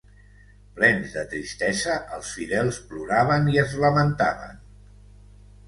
Plens de tristesa, els fidels ploraven i es lamentaven.